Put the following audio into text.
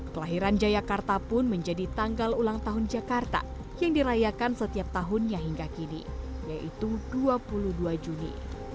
kelahiran jayakarta pun menjadi tanggal ulang tahun jakarta yang dirayakan setiap tahunnya hingga kini yaitu dua puluh dua juni